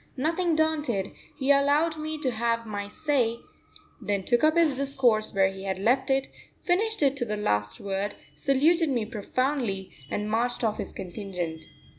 Nothing daunted, he allowed me to have my say, then took up his discourse where he had left it, finished it to the last word, saluted me profoundly, and marched off his contingent.